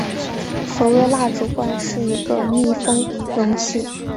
所谓蜡烛罐是一个密封容器。